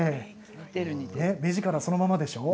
目力そのままでしょう？